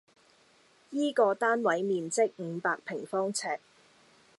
依個單位面積五百平方尺